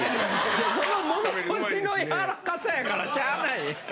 いやそのものごしの柔らかさやからしゃない。